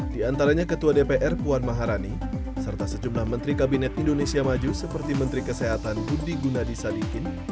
di antaranya ketua dpr puan maharani serta sejumlah menteri kabinet indonesia maju seperti menteri kesehatan budi gunadisadikin